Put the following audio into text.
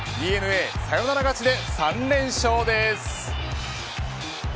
ＤｅＮＡサヨナラ勝ちで３連勝です。